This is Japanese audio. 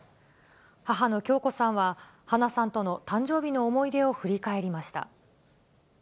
母の響子さんは、花さんとの誕生日の思い出を振り返りました。